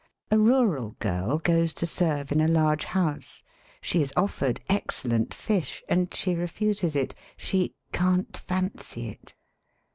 A rural girl goes to serve in a large house ; she is offered excel lent fish, and she refuses it; she "can't fancy it."